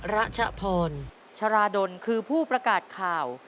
รัชพรชราดลคือผู้ประกาศข่าว